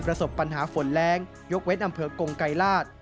ประสบปัญหาฝนแรงยกเว้นอำเภอกงไกรราช